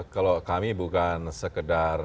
kalau kami bukan sekedar